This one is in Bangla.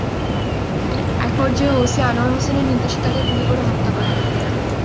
একপর্যায়ে ওসি আনোয়ার হোসেনের নির্দেশে তাঁকে গুলি করে হত্যা করা হয়।